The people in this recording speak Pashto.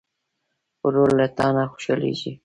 ورور له تا نه خوشحالېږي.